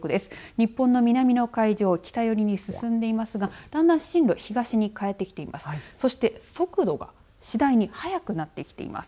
日本の南の海上を北寄りに進んでいますがだんだん進路東に変えてきています。